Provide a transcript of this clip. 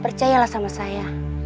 percayalah sama saya